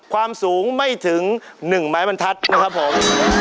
ความสูงไม่ถึง๑ไม้บรรทัศน์นะครับผม